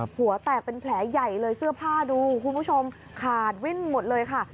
หัวแตกเป็นแผลใหญ่เลยเสื้อผ้าดูคุณผู้ชมขาดวิ่นหมดเลยค่ะ